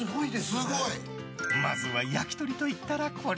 まずは焼き鳥と言ったらこれ。